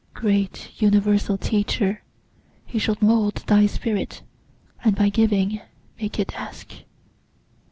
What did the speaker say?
Great universal Teacher! he shall mould Thy spirit, and by giving make it ask.